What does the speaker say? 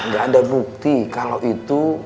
gak ada bukti kalau itu